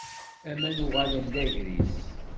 Aman uɣalen d agris.